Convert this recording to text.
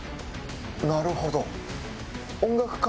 なるほど。